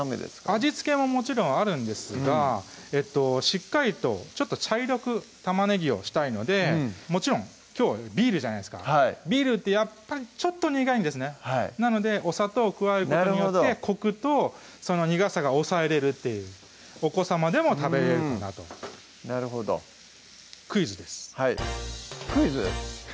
味付けももちろんあるんですがしっかりと茶色く玉ねぎをしたいのでもちろんきょうビールじゃないですかビールってやっぱりちょっと苦いんですねなのでお砂糖を加えることによってコクと苦さが抑えれるっていうお子さまでも食べれるかなとなるほどクイズですはいクイズ？